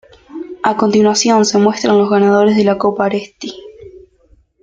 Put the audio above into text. A continuación se muestran los ganadores de la Copa Aresti.